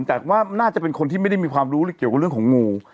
แต่ว่าน่าจะเป็นคนที่ไม่ได้มีความรู้เกี่ยวกับเรื่องของงู